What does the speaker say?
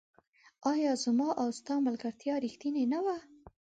آيا زما او ستا ملګرتيا ريښتيني نه وه